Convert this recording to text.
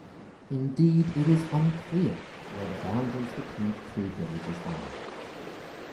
Indeed, it is unclear where the boundaries between the three villages lie.